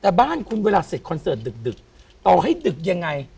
แต่บ้านคุณเวลาเสร็จคอนเสิร์ตดึกต่อให้ดึกยังไง